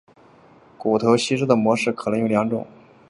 骨头吸收的模式可能有两种。